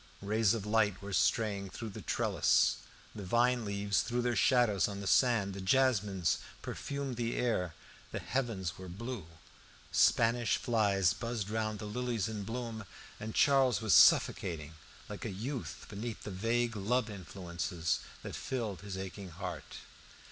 Rays of light were straying through the trellis, the vine leaves threw their shadows on the sand, the jasmines perfumed the air, the heavens were blue, Spanish flies buzzed round the lilies in bloom, and Charles was suffocating like a youth beneath the vague love influences that filled his aching heart.